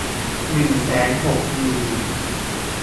หนึ่งแสนหกหมื่น